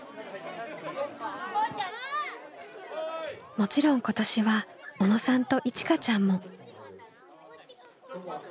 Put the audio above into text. もちろん今年は小野さんといちかちゃんも。